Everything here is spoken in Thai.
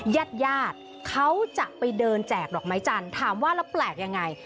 ญาติญาติเขาจะไปเดินแจกดอกไม้จันทร์ถามว่าแล้วแปลกยังไง